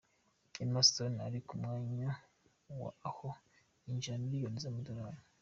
Emma Stone ari ku mwanya wa aho yinjije miliyoni z’amadolari.